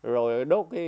rồi đốt cái